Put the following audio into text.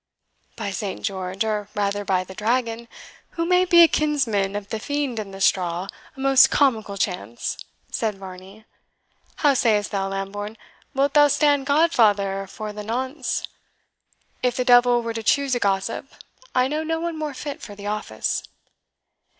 "By Saint George, or rather by the Dragon, who may be a kinsman of the fiend in the straw, a most comical chance!" said Varney. "How sayest thou, Lambourne, wilt thou stand godfather for the nonce? If the devil were to choose a gossip, I know no one more fit for the office."